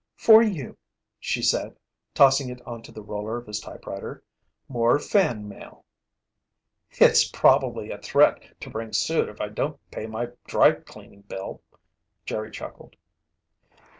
"For you," she said, tossing it onto the roller of his typewriter. "More fan mail." "It's probably a threat to bring suit if I don't pay my dry cleaning bill," Jerry chuckled.